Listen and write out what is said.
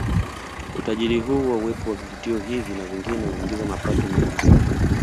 Utajiri huu wa uwepo wa vivutio hivi na vingine huingiza mapato mengi sana